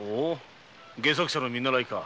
戯作者の見習いか。